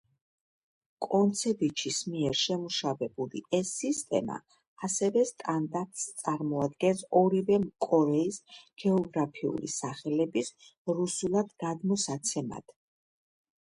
კონცევიჩის მიერ შემუშავებული ეს სისტემა ასევე სტანდარტს წარმოადგენს ორივე კორეის გეოგრაფიული სახელების რუსულად გადმოსაცემად.